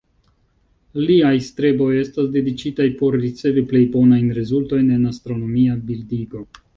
Liaj streboj estas dediĉitaj por ricevi plej bonajn rezultojn en astronomia bildigo.